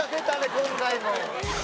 今回も。